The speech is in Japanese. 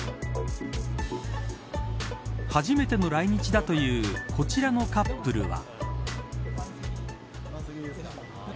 初めての来日だというこちらのカップルは。